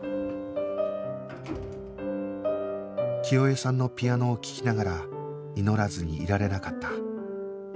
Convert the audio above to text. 清江さんのピアノを聴きながら祈らずにいられなかった